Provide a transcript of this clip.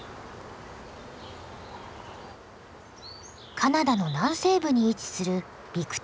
カナダの南西部に位置するビクトリア。